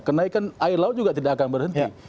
kenaikan air laut juga tidak akan berhenti